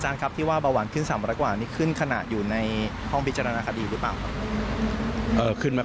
นี่ขึ้นขนาดอยู่ในห้องพิจารณาคดีหรือเปล่า